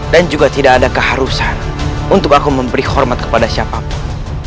dan juga tidak ada keharusan untuk aku memberi hormat kepada siapapun